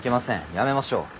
やめましょう。